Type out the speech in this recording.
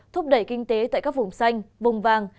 thúc đẩy kinh tế tại các vùng xanh vùng vàng